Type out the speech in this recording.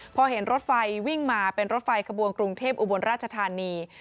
พอเห็นรถไฟวิ่งมาเป็นรถไฟขบวนกรุงเทพอุบลราชธานี